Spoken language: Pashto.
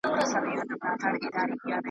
پړ هم زه سوم مړ هم زه سوم .